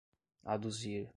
aduzir